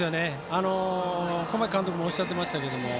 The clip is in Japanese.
小牧監督もおっしゃっていましたけど